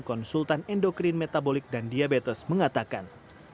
konsultan endokrin metabolik dan diabetes mengatakan